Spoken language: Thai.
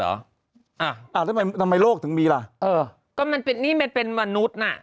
อ่ะอ่าแล้วทำไมทำไมโลกถึงมีล่ะเออก็มันเป็นนี่มันเป็นมนุษย์น่ะ